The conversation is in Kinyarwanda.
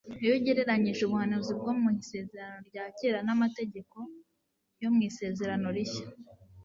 iyo ugereranije ubuhanuzi bwo' mu Isezerano rya kera n'amateka yo mu Isezerano Rishya.